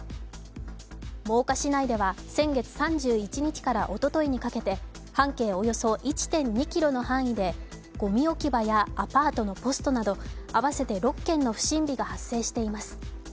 真岡市内では先月３１日からおとといにかけて、半径およそ１．２ｋｍの範囲でごみ置き場やアパートのポストなど、合わせて６件の不審火が発生しています。